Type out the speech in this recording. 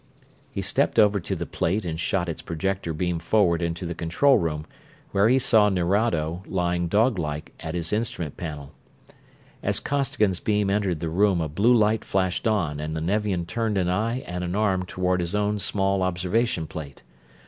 He stepped over to the plate and shot its projector beam forward into the control room, where he saw Nerado lying, doglike, at his instrument panel. As Costigan's beam entered the room a blue light flashed on and the Nevian turned an eye and an arm toward his own small observation plate.